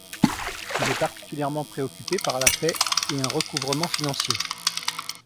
Il est particulièrement préoccupé par la paix et un recouvrement financier.